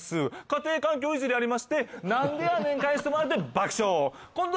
家庭環境いじりありまして何でやねん返してもらって爆笑こん